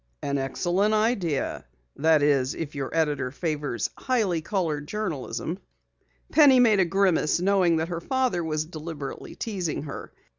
"An excellent idea. That is, if your editor favors highly colored journalism." Penny made a grimace, knowing that her father was deliberately teasing her.